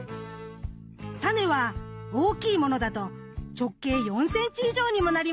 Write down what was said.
タネは大きいものだと直径４センチ以上にもなります。